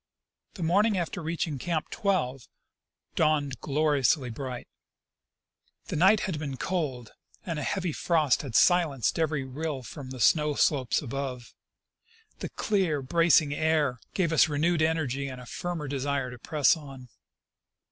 The morning after reaching Camp 12 dawned gloriously bright The night had been cold, and a heavy frost had silenced every rill from the snow slopes above. The clear, bracing air gave us renewed energy and a firmer desire to press on.